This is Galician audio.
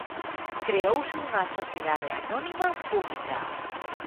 Creouse unha sociedade anónima pública.